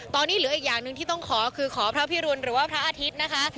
ตอนนี้เหลืออีกอย่างหนึ่งที่ต้องขอคือขอพระพิรุณหรือว่าพระอาทิตย์นะคะ